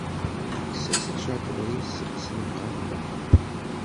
Yekkes-as aččadur-is s lemɣawla.